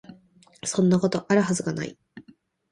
そんなこと、有る筈が無い